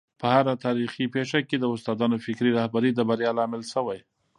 په هره تاریخي پېښه کي د استادانو فکري رهبري د بریا لامل سوی.